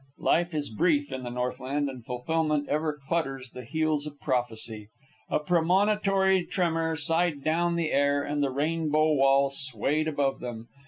Life is brief in the Northland, and fulfilment ever clutters the heels of prophecy. A premonitory tremor sighed down the air, and the rainbow wall swayed above them.